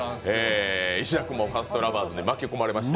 石田君もファーストラバーズに巻き込まれまして。